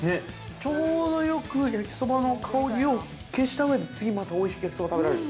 ◆ちょうどよく焼きそばの香りを消した上で、次また、おいしく焼きそばを食べられる。